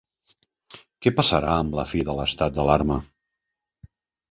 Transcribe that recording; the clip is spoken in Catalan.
Què passarà amb la fi de l’estat d’alarma?